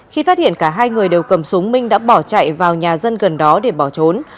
khi phát hiện cả hai người đều cầm súng minh đã bỏ chạy vào nhà dân gần đó để bỏ trốn